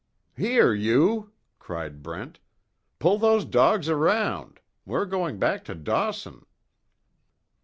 "Here you!" cried Brent, "Pull those dogs around! We're going back to Dawson."